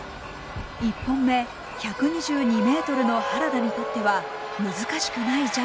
１本目１２２ｍの原田にとっては難しくない